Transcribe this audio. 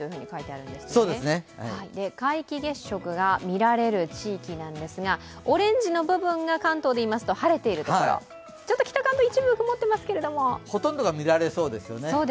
皆既月食が見られる地域なんですが、オレンジの部分が晴れているところ、ちょっと北関東一部曇ってますけど、ほとんど見られそうですよね。